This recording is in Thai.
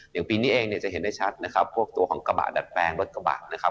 อย่างปีนี้เองเนี่ยจะเห็นได้ชัดนะครับพวกตัวของกระบะดัดแปลงรถกระบะนะครับ